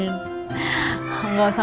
nggak usah nggak usah